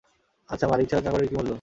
আচ্ছা, মালিক ছাড়া চাকরের কী মূল্য?